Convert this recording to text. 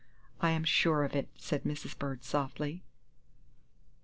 "I am sure of it," said Mrs. Bird, softly.